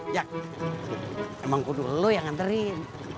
yak emang kudu lu yang nganterin